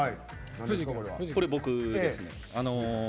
これ、僕です。